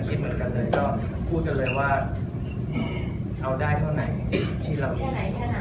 คิดเหมือนกันเลยเราพูดกันเลยว่าเอาได้เท่าไหร่ทีหลัง